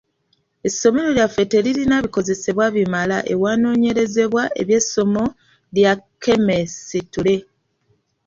Essomero lyaffe teririna bikozesebwa bimala ewanoonyerezebwa eby'essomo lya kemesitule.